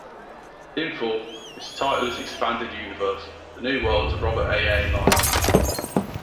In full, its title is Expanded Universe, The New Worlds of Robert A. Heinlein.